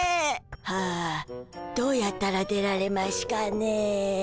はあどうやったら出られましゅかね。